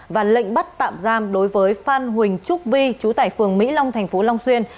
và lệnh bắt tạm giam đối với phan huỳnh trúc vi chú tải phường mỹ long tp long xuyên